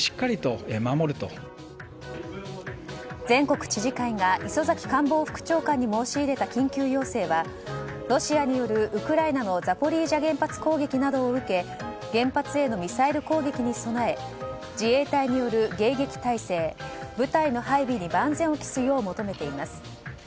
全国知事会が磯崎官房副長官に申し入れた緊急要請はロシアによるウクライナのザポリージャ原発攻撃などを受け原発へのミサイル攻撃に備え自衛隊による迎撃態勢部隊の配備に万全を期すよう求めています。